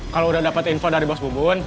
kalau udah dapat info dari bos bubun